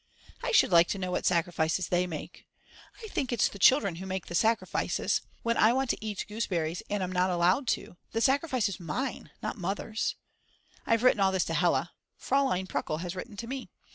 I should like to know what sacrifices they make. I think it's the children who make the sacrifices. When I want to eat gooseberries and am not allowed to, the sacrifice is mine not Mother's. I've written all this to Hella. Fraulein Pruckl has written to me.